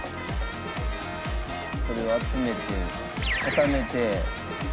それを集めて固めて。